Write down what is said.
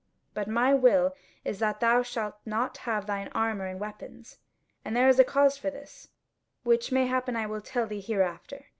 But my will is that thou shalt not have thine armour and weapons; and there is a cause for this, which mayhappen I will tell thee hereafter.